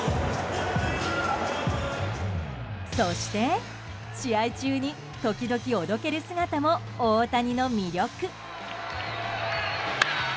そして試合中に時々おどける姿も大谷の魅力。